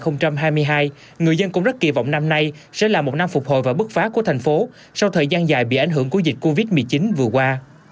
năm hai nghìn hai mươi hai người dân cũng rất kỳ vọng năm nay sẽ là một năm phục hồi và bức phá của thành phố sau thời gian dài bị ảnh hưởng của dịch covid một mươi chín vừa qua